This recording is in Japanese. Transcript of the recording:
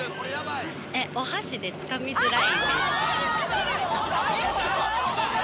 お箸でつかみづらい。